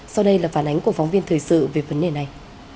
sau đây là phản ánh của phóng viên thời sự về vấn đề này